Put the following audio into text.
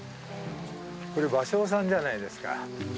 これ芭蕉さんじゃないですか。